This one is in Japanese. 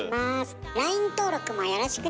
ＬＩＮＥ登録もよろしくね。